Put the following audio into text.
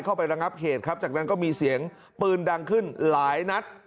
ระงับเหตุครับจากนั้นก็มีเสียงปืนดังขึ้นหลายนัด